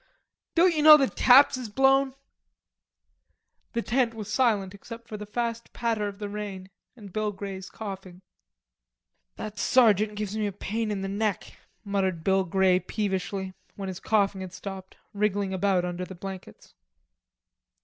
"Don't you know that taps has blown?" The tent was silent except for the fast patter of the rain and Bill Grey's coughing. "That sergeant gives me a pain in the neck," muttered Bill Grey peevishly, when his coughing had stopped, wriggling about under the blankets.